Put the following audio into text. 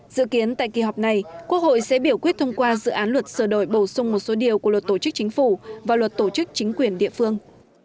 dự kiến tại kỳ họp này quốc hội sẽ biểu quyết thông qua dự án luật sửa đổi bổ sung một số điều của luật tổ chức chính phủ và luật tổ chức chính quyền địa phương